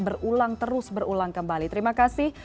berulang terus berulang kembali terima kasih